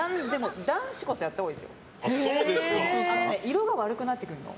色が悪くなってくんの。